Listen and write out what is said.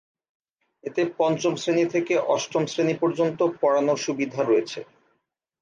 এতে পঞ্চম শ্রেণি থেকে অষ্টম শ্রেণি পর্যন্ত পড়ানোর সুবিধা রয়েছে।